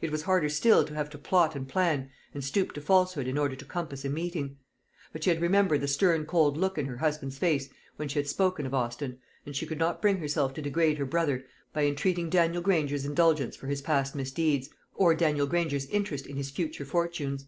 It was harder still to have to plot and plan and stoop to falsehood in order to compass a meeting. But she remembered the stern cold look in her husband's face when she had spoken of Austin, and she could not bring herself to degrade her brother by entreating Daniel Granger's indulgence for his past misdeeds, or Daniel Granger's interest in his future fortunes.